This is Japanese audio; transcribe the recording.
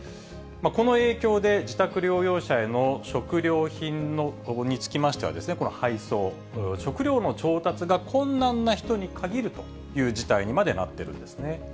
この影響で、自宅療養者への食料品につきましては、この配送、食料の調達が困難な人に限るという事態にまでなってるんですね。